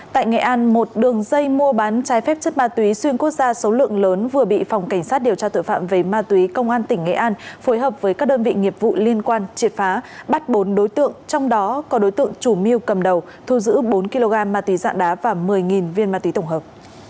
tại nghệ an một đường dây mua bán trái phép chất ma túy xuyên quốc gia số lượng lớn vừa bị phòng cảnh sát điều tra tội phạm về ma túy công an tỉnh nghệ an phối hợp với các đơn vị nghiệp vụ liên quan triệt phá bắt bốn đối tượng trong đó có đối tượng chủ mưu cầm đầu thu giữ bốn kg ma túy dạng đá và một mươi viên ma túy tổng hợp